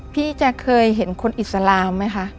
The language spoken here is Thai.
พี่จะเคยเห็นคนอิสลามไหมคะ